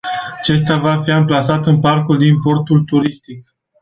Acesta va fi amplasat în parcul din portul turistic.